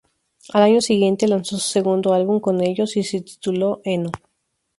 Al año siguiente, lanzó su segundo álbum con ellos y se tituló "Eno".